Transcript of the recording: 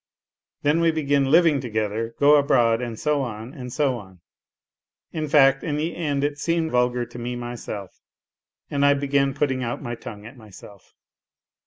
" Then we begin living together, go abroad and so on, and so on. In fact, in the end it seemed vulgar to me myself, and I began putting out my tongue at myself.